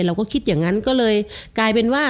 เราก็คิดอย่างนั้นก็เลยกลายเป็นว่า